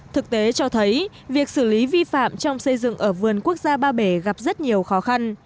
thực tế cho thấy việc xử lý vi phạm trong xây dựng ở vườn quốc gia ba bể gặp rất nhiều khó khăn